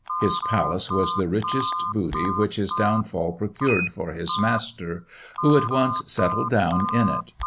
His palace was the richest booty which his downfall procured for his master, who at once settled down in it.